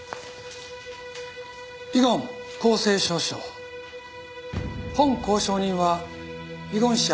「遺言公正証書」「本公証人は遺言者